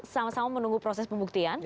sama sama menunggu proses pembuktian